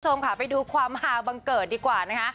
คุณผู้ชมค่ะไปดูความหาบังเกิดดีกว่านะคะ